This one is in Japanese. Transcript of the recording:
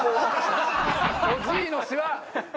おじいのシワ！